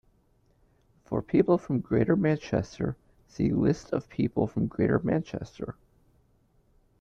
For people from Greater Manchester see List of people from Greater Manchester.